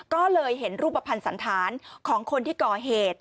ก็เลยเห็นรูปภัณฑ์สันธารของคนที่ก่อเหตุ